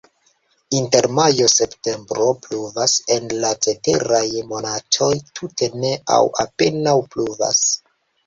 Inter majo-septembro pluvas, en la ceteraj monatoj tute ne aŭ apenaŭ pluvas.